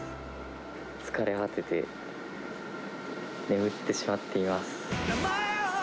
疲れ果てて、眠ってしまっています。